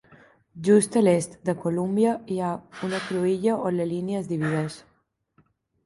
Just a l'est de Colúmbia hi ha una cruïlla on la línia es divideix.